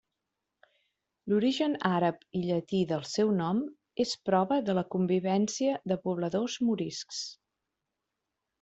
L'origen àrab i llatí del seu nom és prova de la convivència de pobladors moriscs.